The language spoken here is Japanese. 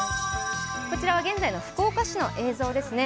こちらは現在の福岡市の映像ですね。